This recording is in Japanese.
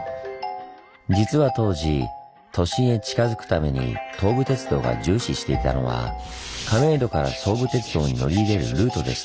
実は当時都心へ近づくために東武鉄道が重視していたのは亀戸から総武鉄道に乗り入れるルートでした。